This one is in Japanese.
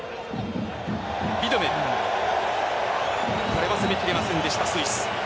これは攻めきれませんでしたスイス。